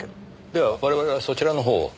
では我々はそちらの方を。